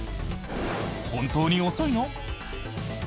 本当に遅いの？